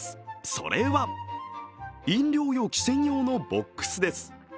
それは飲料容器専用のボックスです。